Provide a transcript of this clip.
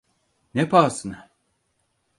Ne pahasına?